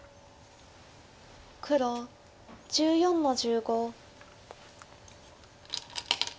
黒１４の十五。